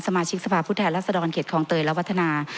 สมาชิกสภาพผู้แทนรัศดรเขตคลองเตยและวัฒนา